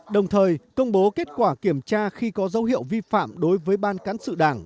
đồng thời công bố kết quả kiểm tra khi có dấu hiệu vi phạm đối với ban cán sự đảng